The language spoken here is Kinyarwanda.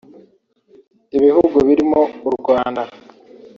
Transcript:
ibihugu birimo u Rwanda